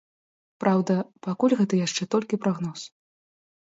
Праўда, пакуль гэта яшчэ толькі прагноз.